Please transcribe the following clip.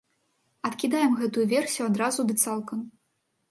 Адкідаем гэтую версію адразу ды цалкам.